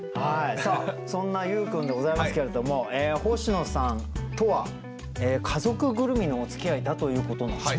さあそんな優君でございますけれども星野さんとは家族ぐるみのおつきあいだということなんですね？